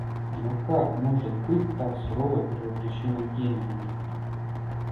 Но как может быть так сурова первопричина к гениям?